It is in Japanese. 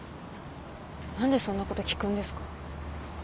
何でそんなこと聞くんですか？